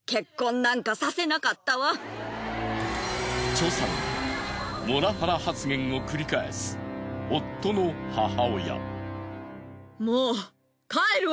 チョさんにモラハラ発言を繰り返す夫の母親。